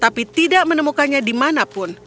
tapi tidak menemukannya dimanapun